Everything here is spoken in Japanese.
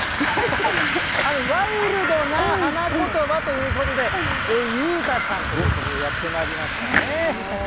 ワイルドな花言葉ということで、ゆうたちゃんということでやってまいりましたね。